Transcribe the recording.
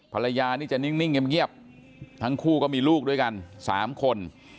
ภรรยานี่จะนิ่งเงียบทั้งคู่ก็มีลูกด้วยกัน๓คน